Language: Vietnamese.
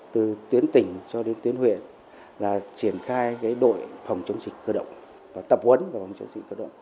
từ tuyến tỉnh cho đến tuyến huyện là triển khai đội phòng chống dịch cơ động và tập huấn về phòng chống dịch cơ động